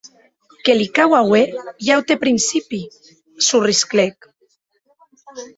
Que li cau auer un aute principi!, sorrisclèc.